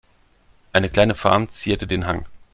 Eine kleine Farm zierte den Hang.